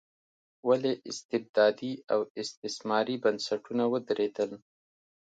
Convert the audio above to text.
ولې استبدادي او استثماري بنسټونه ودرېدل.